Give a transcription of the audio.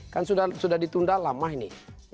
kan sudah ditunda lama ini